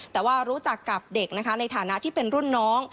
แต่ว่ารู้จักกับเด็กนะคะในฐานะที่เป็นรุ่นน้อง